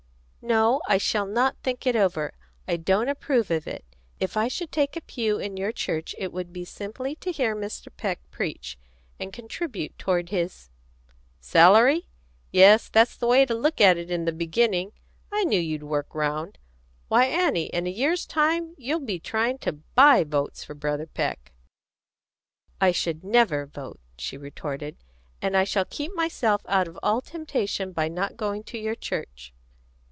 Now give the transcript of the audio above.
"No, I shall not think it over. I don't approve of it. If I should take a pew in your church it would be simply to hear Mr. Peck preach, and contribute toward his " "Salary? Yes, that's the way to look at it in the beginning. I knew you'd work round. Why, Annie, in a year's time you'll be trying to buy votes for Brother Peck." "I should never vote," she retorted. "And I shall keep myself out of all temptation by not going to your church."